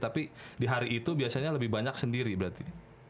tapi di hari itu biasanya lebih banyak sendiri berarti